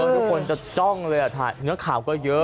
ทุกคนจะจ้องเลยเนื้อข่าวก็เยอะ